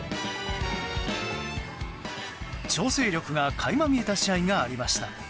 調整力が垣間見えた試合がありました。